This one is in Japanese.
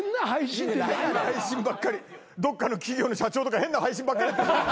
どっかの企業の社長とか変な配信ばっかり。